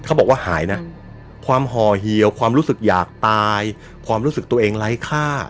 เขาบอกว่าหายนะความห่อเหี่ยวความรู้สึกอยากตายความรู้สึกตัวเองไร้ค่า